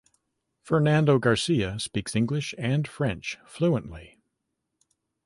Fernando Garcia speaks English and French fluently.